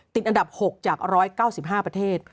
ติดอันดับ๖จาก๑๙๕ประเทศ